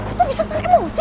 itu bisa tarik emosi gak sih